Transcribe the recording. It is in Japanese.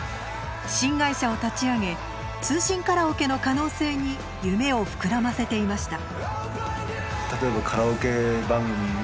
新会社を立ち上げ通信カラオケの可能性に夢を膨らませていました。